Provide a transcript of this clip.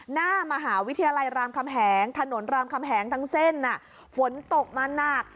หน้ามหาวิทยาลัยรามคำแหงถนนรามคำแหงทั้งเส้นฝนตกมาหนัก